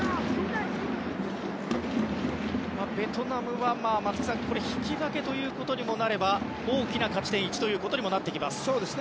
ベトナムは引き分けということにもなれば大きな勝ち点１となってきます。